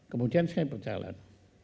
kemudian saya berjalan